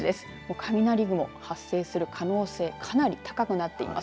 雷雲、発生する可能性かなり高くなっています。